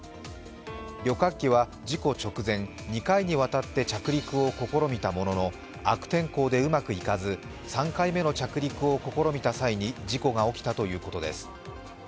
旅客機は事故直前、２回にわたって着陸を試みたものの、悪天候でうまくいかず、３回目の着陸を試みた際に事故が起きたということです。